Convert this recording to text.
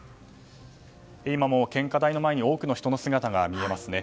今も献花台の前に多くの人の姿が見えますね。